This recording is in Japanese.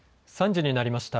３時になりました。